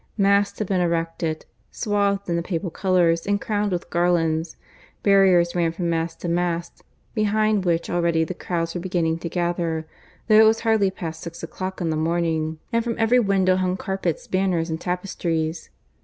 Masts had been erected, swathed in the Papal colours and crowned with garlands; barriers ran from mast to mast, behind which already the crowds were beginning to gather, though it was hardly past six o'clock in the morning; and from every window hung carpets, banners, and tapestries.